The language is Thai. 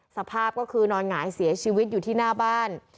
สภาพก็คือนอนหงายเสียชีวิตอยู่ที่หน้าบ้าน